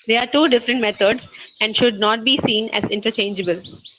They are two different methods and should not be seen as interchangeable.